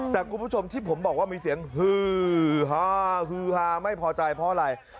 แต่คุณผู้ชมที่ผมบอกว่ามีเสียงฮือฮาฮือฮาไม่พอใจเพราะอะไร